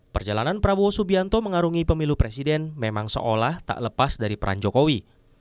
perjalanan prabowo subianto mengarungi pemilu presiden memang seolah tak lepas dari peran jokowi